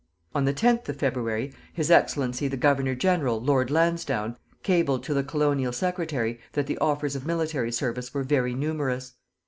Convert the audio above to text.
On the 10th of February, His Excellency the Governor General, Lord Lansdowne, cabled to the Colonial Secretary that the offers of military service were very numerous.